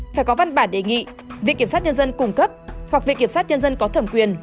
phải có văn bản đề nghị viện kiểm sát nhân dân cung cấp hoặc viện kiểm sát nhân dân có thẩm quyền